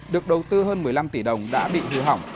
được đầu tư hơn một mươi năm tỷ đồng đã bị hư hỏng